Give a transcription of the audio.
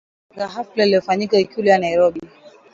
katika hafla iliyofanyika Ikulu ya Nairobi